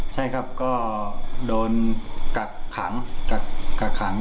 ใช่ครับก็โดนกะขัง